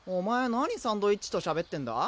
なにサンドイッチとしゃべってんだ？